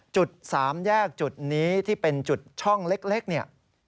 จุดสามแยกจุดนี้ที่เป็นจุดช่องเล็กเนี่ย